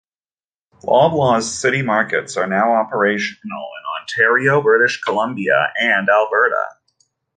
Loblaws CityMarkets are now operational in Ontario, British Columbia and Alberta.